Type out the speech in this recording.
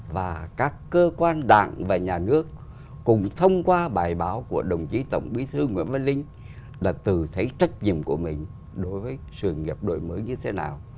và các cơ quan đảng và nhà nước cùng thông qua bài báo của đồng chí tổng bí thư nguyễn văn linh là từ thấy trách nhiệm của mình đối với sự nghiệp đổi mới như thế nào